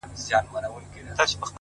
• جواب را كړې؛